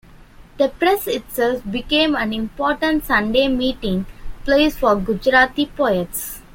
The press itself became an important Sunday meeting-place for Gujarati poets.